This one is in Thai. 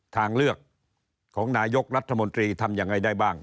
ทางเลือกของนายกรัฐมนตรีทำยังไงได้บ้าง